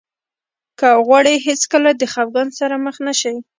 که غواړئ هېڅکله د خفګان سره مخ نه شئ.